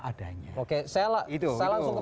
adanya oke saya langsung ke